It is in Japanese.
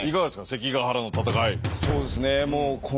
関ヶ原の戦い。